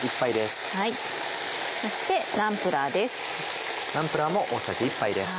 そしてナンプラーです。